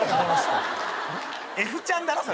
Ｆちゃんだろ？